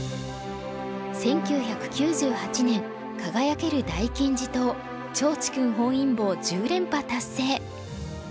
１９９８年輝ける大金字塔趙治勲本因坊１０連覇達成。